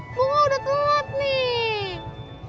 bunga udah telat nih